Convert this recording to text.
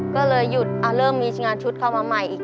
ก็เลยหยุดเริ่มมีงานชุดเข้ามาใหม่อีก